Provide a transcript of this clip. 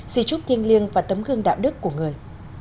di trúc thiêng liêng và tấm gương đạo đức của người